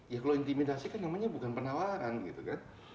ya kalau intimidasi kan namanya bukan penawaran